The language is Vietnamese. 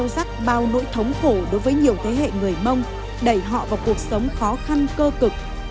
sắc bao nỗi thống khổ đối với nhiều thế hệ người mông đẩy họ vào cuộc sống khó khăn cơ cực